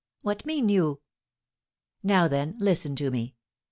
"What mean you?" "Now, then, listen to me.